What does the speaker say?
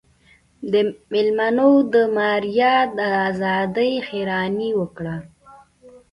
مېلمنو د ماريا د ازادۍ حيراني وکړه.